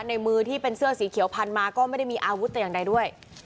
ในมือที่เป็นเสื้อสีเขียวพันมาก็ไม่ได้มีอาวุธแต่อย่างใดด้วย